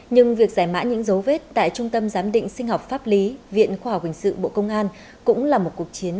nhưng việc giải mã những dấu vết tại trung tâm giám định sinh học pháp lý viện khoa học quyền sự bộ công an